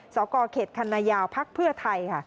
สกเขตคัณะยาวภักดิ์เพื่อไทย